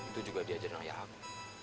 itu juga diajarin oleh aku